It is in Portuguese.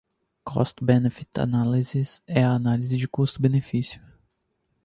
Cost-Benefit Analysis é a análise custo-benefício.